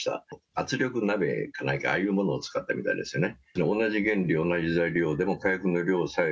圧力鍋か何かああいうものを使ったみたいですね。